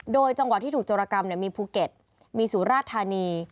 โดยจังหวัดที่ถูกโจรกรรมมีภูเก็ตมีสุราธานี